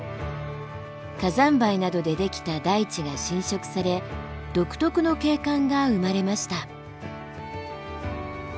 火山灰などでできた大地が侵食され独特の景観が生まれました。